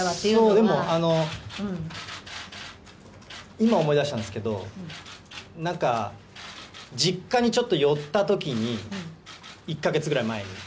今思い出したんですけど、なんか、実家にちょっと寄ったときに、１か月ぐらい前に。